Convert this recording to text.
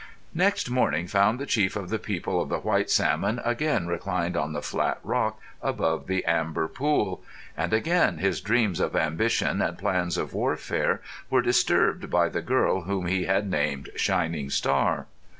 Next morning found the chief of the people of the White Salmon again reclined on the flat rock above the amber pool; and again his dreams of ambition and plans of warfare were disturbed by the girl whom he had named Shining Star.